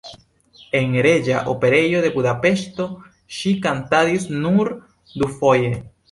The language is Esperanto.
En Reĝa Operejo de Budapeŝto ŝi kantadis nur dufoje.